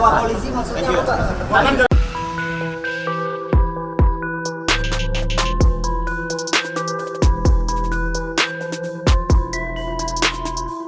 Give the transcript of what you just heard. bahkan buah polisi maksudnya otot